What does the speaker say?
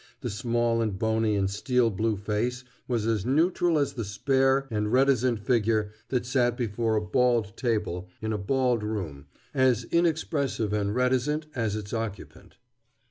The small and bony and steel blue face was as neutral as the spare and reticent figure that sat before a bald table in a bald room as inexpressive and reticent as its occupant.